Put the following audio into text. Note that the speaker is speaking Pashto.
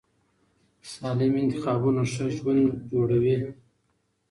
سالم انتخابونه ښه ژوند جوړوي.